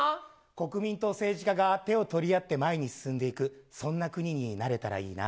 国民と政治家が手を取り合って前に進んでいく、そんな国になれたらいいな。